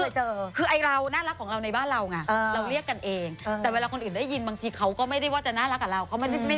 จริงจริงด้วยบางทีเราเคยเจอแบบโอ้ยหมีหื้มหมา